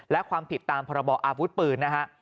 และความผิดตามพรบอาวุธปืนนะฮะ